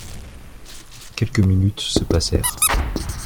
Quelques minutes se passèrent.